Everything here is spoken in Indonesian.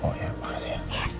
oh ya makasih ya